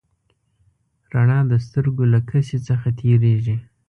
رڼا د سترګو له کسي څخه تېرېږي.